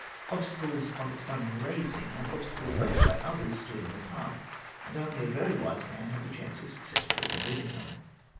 Obstacles of its own raising, and obstacles raised by others, stood in the path, and only a very wise man had the chance of successfully removing them.